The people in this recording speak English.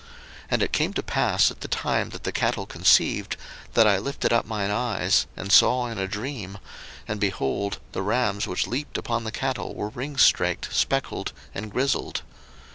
01:031:010 And it came to pass at the time that the cattle conceived, that I lifted up mine eyes, and saw in a dream, and, behold, the rams which leaped upon the cattle were ringstraked, speckled, and grisled.